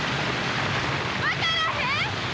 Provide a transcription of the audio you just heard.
分からへん！